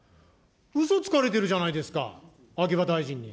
うそつかれてるじゃないですか、秋葉大臣に。